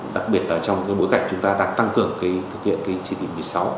đặc biệt là trong cái bối cảnh chúng ta đang tăng cường thực hiện cái chỉ thị một mươi sáu